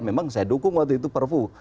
memang saya dukung waktu itu perpu